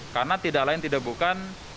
karena tidak lain tidak bukan